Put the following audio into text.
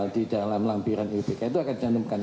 di dalam langbiran iupk itu akan dicantumkan